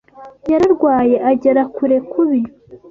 Yararwaye agera kure kubi.